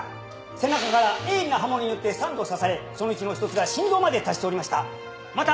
背中から鋭利な刃物によって３度刺されそのうちの１つが心臓まで達しておりました。